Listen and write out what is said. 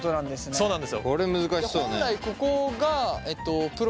そうなんです。